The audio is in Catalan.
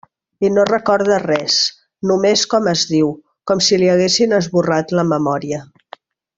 I no recorda res, només com es diu, com si li haguessin esborrat la memòria.